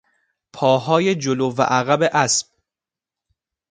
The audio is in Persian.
پاهای جلو و عقب اسب